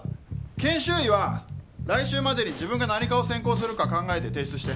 研修医は来週までに自分が何科を専攻するか考えて提出して。